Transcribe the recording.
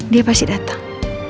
dia pasti datang